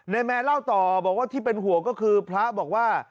แมนเล่าต่อบอกว่าที่เป็นห่วงก็คือพระบอกว่า